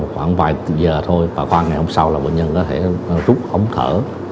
khoảng vài giờ thôi và khoảng ngày hôm sau là bệnh nhân có thể rút ống thở